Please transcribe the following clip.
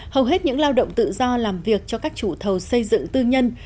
hầu hết những lao động tự do làm việc cho các chủ thầu xây dựng tư nhân